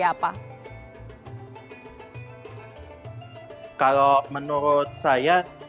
apa kalau menurut saya sekarang ini pukul dua puluh tiga dua belas ini malam ya untuk